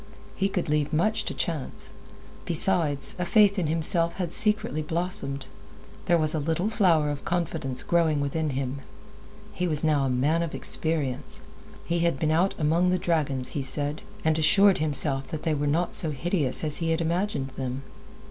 He could leave much to chance. Besides, a faith in himself had secretly blossomed. There was a little flower of confidence growing within him. He was now a man of experience. He had been out among the dragons, he said, and he assured himself that they were not so hideous as he had imagined them.